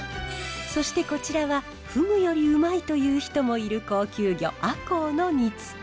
そしてこちらはフグよりうまいと言う人もいる高級魚アコウの煮つけ。